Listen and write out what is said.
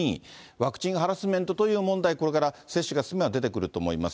ワクチンハラスメントという問題、これから接種が進めば出てくると思います。